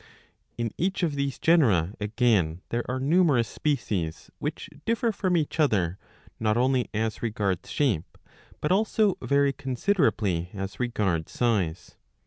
In each of these genera, again, there are numerous species, which differ from each other not only as regards shape, but also very considerably as regards size.